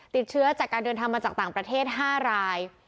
ติดเชื้อจากการเดินทางมาจากต่างประเทศ๕ราย